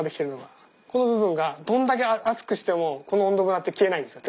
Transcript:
この部分がどんだけ熱くしてもこの温度むらって消えないんですよ